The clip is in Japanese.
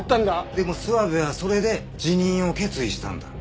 でも諏訪部はそれで辞任を決意したんだ。